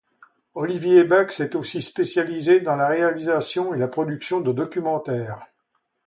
Oliver Bach s'est aussi spécialisé dans la réalisation et la production de documentaires.